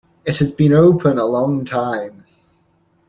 It has been open a long time!